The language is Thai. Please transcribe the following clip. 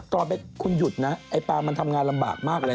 ตอนไปคุณหยุดนะไอ้ปลามันทำงานลำบากมากเลย